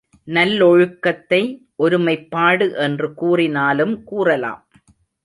நல்லொழுக்கத்தை ஒருமைப்பாடு என்று கூறினாலும் கூறலாம்.